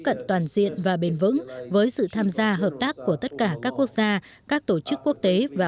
cận toàn diện và bền vững với sự tham gia hợp tác của tất cả các quốc gia các tổ chức quốc tế và